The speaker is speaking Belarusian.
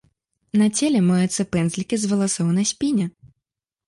На целе маюцца пэндзлікі з валасоў на спіне.